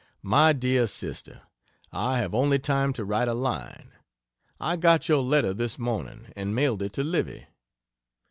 MY DEAR SISTER, I have only time to write a line. I got your letter this morning and mailed it to Livy.